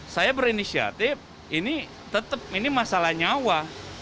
saya berinisiatif ini tetap ini masalah nyawa